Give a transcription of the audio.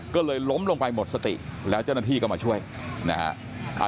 ก็เลยล้มลงไปหมดสติแล้วเจ้าหน้าที่ก็มาช่วยนะฮะ